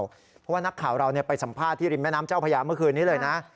เพราะว่านักข่าวเราไปสัมภาษณ์ที่ริมแม่น้ำเจ้าพญาเมื่อคืนนี้เลยนะ